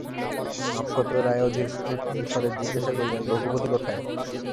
নক্ষত্ররায় অধীর স্বরে জিজ্ঞাসা করিলেন, রঘুপতি কোথায়?